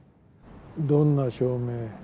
どんな照明？